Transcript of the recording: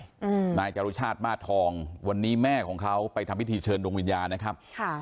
อืมนายจรุชาติมาสทองวันนี้แม่ของเขาไปทำพิธีเชิญดวงวิญญาณนะครับค่ะ